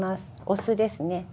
お酢ですね。